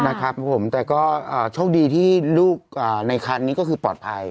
นะครับผมแต่ก็โชคดีที่ลูกในคันนี้ก็คือปลอดภัย